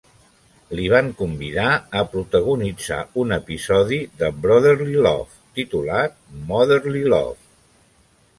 Li van convidar a protagonitzar un episodi de "Brotherly Love" titulat "Motherly Love".